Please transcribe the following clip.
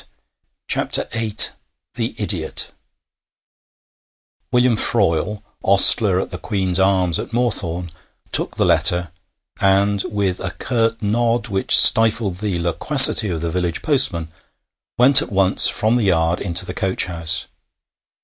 THE IDIOT William Froyle, ostler at the Queen's Arms at Moorthorne, took the letter, and, with a curt nod which stifled the loquacity of the village postman, went at once from the yard into the coach house.